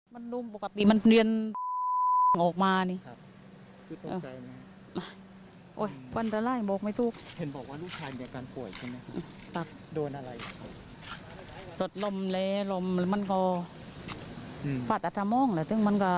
ภาษาอัทธามากเลยทุกคนมันก็นายเรียนบอกไม่พูดแล้วนะ